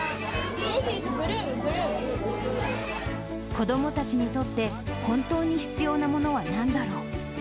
子どもたちにとって、本当に必要なものはなんだろう。